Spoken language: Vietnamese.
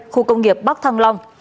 khu công nghiệp bắc thăng long